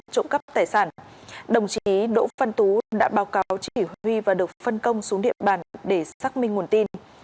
trộm cắp tài sản đồng chí đỗ văn tú đã báo cáo chỉ huy và được phân công xuống địa bàn để xác minh nguồn tin